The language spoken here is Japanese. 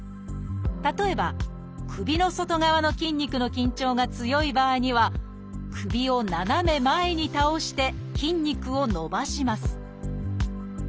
例えば首の外側の筋肉の緊張が強い場合には首を斜め前に倒して筋肉を伸ばします